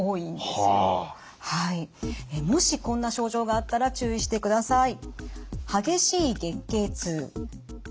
もしこんな症状があったら注意してください。